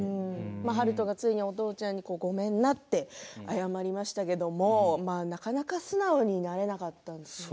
悠人がついにお父ちゃんにごめんなって謝りましたけどもなかなか素直になれなかったですよね。